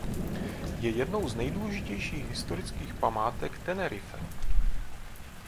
Je jednou z nejdůležitějších historických památek Tenerife.